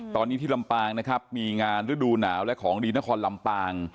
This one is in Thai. ตอนนี้ที่ลำปางนะครับมีงานฤดูหนาวและของดีนครลำปาง